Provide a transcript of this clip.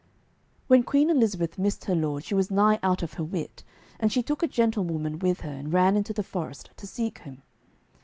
When Queen Elizabeth missed her lord she was nigh out of her wit, and she took a gentlewoman with her and ran into the forest to seek him.